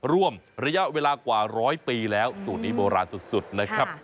ร่วมระยะเวลากว่าร้อยปีแล้วสูตรนี้โบราณสุดนะครับ